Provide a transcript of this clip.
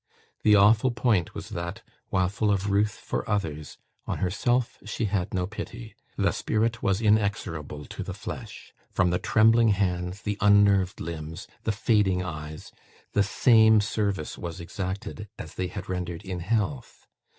The awful point was that, while full of ruth for others, on herself she had no pity; the spirit was inexorable to the flesh; from the trembling hands, the unnerved limbs, the fading eyes, the same service was exacted as they had rendered in health.